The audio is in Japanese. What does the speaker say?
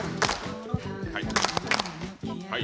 はい！